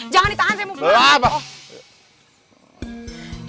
jangan ditahan saya mau pulang